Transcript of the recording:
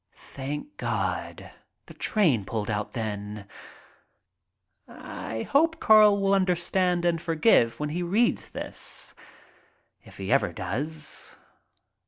Thank God, the train pulled out then. I hope Carl will understand and forgive when he reads this, if he ever does.